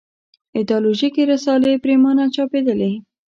ایدیالوژیکې رسالې پرېمانه چاپېدلې.